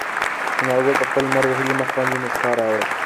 انارګل په خپل لمر وهلي مخ باندې موسکا راوړه.